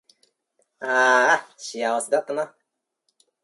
あーあ幸せだったなー